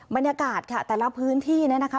บรรยาคตค่ะแต่ละพื้นที่นะนะคะ